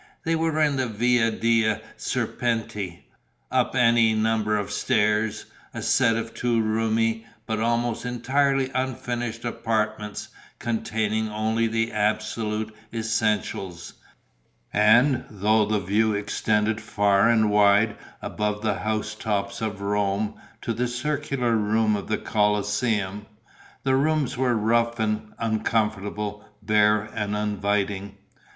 They were in the Via dei Serpenti, up any number of stairs: a set of two roomy, but almost entirely unfurnished apartments, containing only the absolute essentials; and, though the view extended far and wide above the house tops of Rome to the circular ruin of the Colosseum, the rooms were rough and uncomfortable, bare and uninviting.